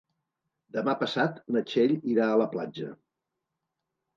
Demà passat na Txell irà a la platja.